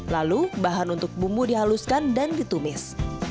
lalu bahan untuk bumbu dihaluskan dan ditumis